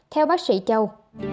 theo bác sĩ châu